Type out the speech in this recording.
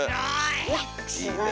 すごい！